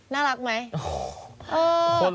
น่ารักไหม